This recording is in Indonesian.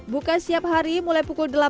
buka setiap hari mulai pukul delapan